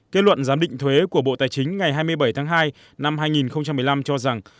kết luận giám định thuế của bộ tài chính ngày hai mươi bảy tháng hai năm hai nghìn một mươi năm cho rằng